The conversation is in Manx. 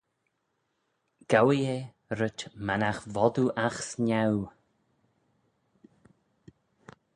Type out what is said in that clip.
Gowee eh rhyt mannagh vod oo agh snaue.